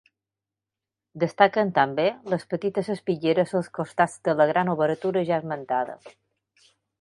Destaquen també, les petites espitlleres als costats de la gran obertura ja esmentada.